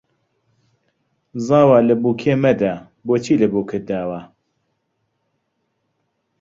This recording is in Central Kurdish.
زاوا لە بووکێ مەدە بۆچی لە بووکت داوە